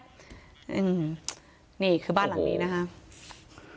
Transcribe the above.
นี่คือบ้านหลังนี้นะคะ